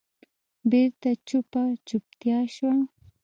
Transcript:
بېرته چوپه چوپتیا شوه.